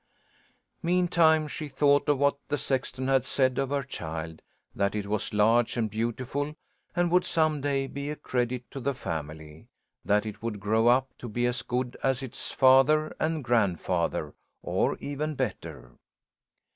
Meantime she thought of what the sexton had said of her child that it was large and beautiful and would some day be a credit to the family; that it would grow up to be as good as its father and grandfather or even better.